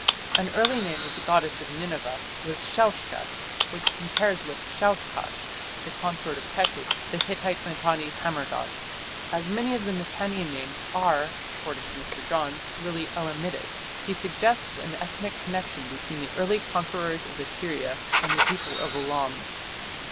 An ancient name of the goddess of Nineveh was Shaushka, which compares with Shaushkash, the consort of Teshup, the Hittite Mitanni hammer god. As many of the Mitannian names "are", according to Mr. Johns, "really Elamitic", he suggests an ethnic connection between the early conquerors of Assyria and the people of Elam.